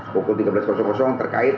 pukul tiga belas terkait